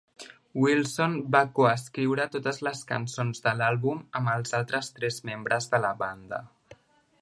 Wilson va coescriure totes les cançons de l'àlbum amb els altres tres membres de la banda.